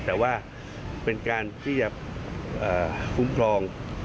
แต่ว่าเป็นการที่จะคุ้มครอง